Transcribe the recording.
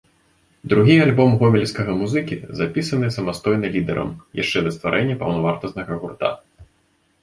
Другі альбом гомельскага музыкі, запісаны самастойна лідарам, яшчэ да стварэння паўнавартаснага гурта.